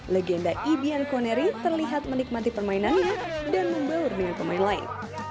legenda ibian koneri terlihat menikmati permainannya dan membaur dengan pemain lain